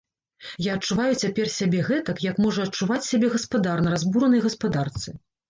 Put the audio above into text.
Я адчуваю цяпер сябе гэтак, як можа адчуваць сябе гаспадар на разбуранай гаспадарцы.